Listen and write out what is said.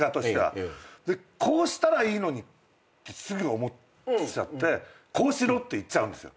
こうしたらいいのにってすぐ思っちゃってこうしろって言っちゃうんですよ。